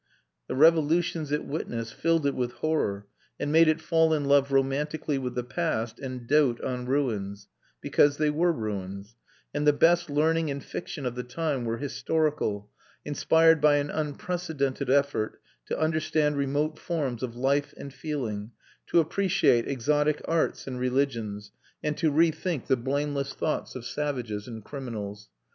The revolutions it witnessed filled it with horror and made it fall in love romantically with the past and dote on ruins, because they were ruins; and the best learning and fiction of the time were historical, inspired by an unprecedented effort to understand remote forms of life and feeling, to appreciate exotic arts and religions, and to rethink the blameless thoughts of savages and criminals.